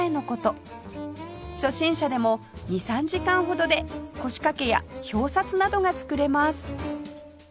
初心者でも２３時間ほどで腰掛けや表札などが作れます